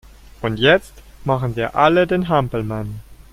Und jetzt machen wir alle den Hampelmann!